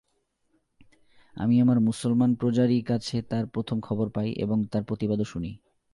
আমি আমার মুসলমান প্রজারই কাছে তার প্রথম খবর পাই এবং তার প্রতিবাদও শুনি।